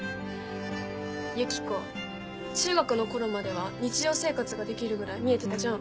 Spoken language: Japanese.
ユキコ中学の頃までは日常生活ができるぐらい見えてたじゃん。